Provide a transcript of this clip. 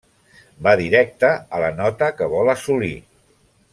Va directe a la nota que vol assolir.